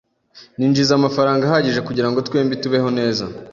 Ninjiza amafaranga ahagije kugirango twembi tubeho neza.